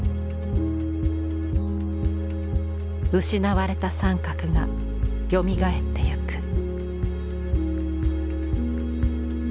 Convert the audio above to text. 失われた三角がよみがえっていく。